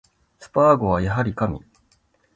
スパーゴはやはり神